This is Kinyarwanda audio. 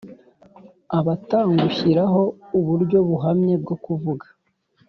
a batangushyiraho uburyo buhamye bwo kuvuga